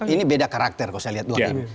ini beda karakter kalau saya lihat dua duanya